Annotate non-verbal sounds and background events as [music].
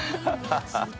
ハハハ [laughs]